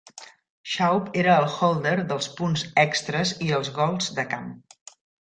Schaub era el "holder" dels punts extres i els gols de camp.